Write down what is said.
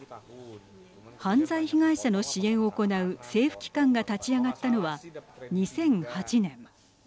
犯罪被害者の支援を行う政府機関が立ち上がったのは２００８年。